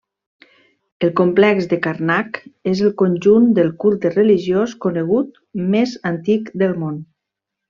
El complex de Karnak és el conjunt del culte religiós conegut més antic del món.